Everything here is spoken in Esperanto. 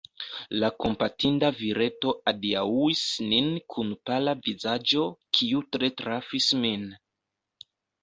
La kompatinda vireto adiaŭis nin kun pala vizaĝo, kiu tre trafis min.